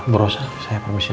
berosa saya permisi